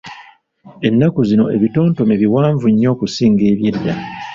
Ennaku zino ebitontome biwanvu nnyo okusinga eby'edda!